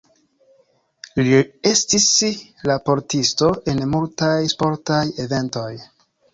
Li estis raportisto en multaj sportaj eventoj.